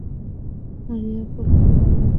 মারিয়াপ্পান, খুলে দাও!